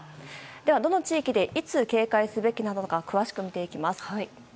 では、どの地域でいつ警戒すべきなのか詳しく見ていきます。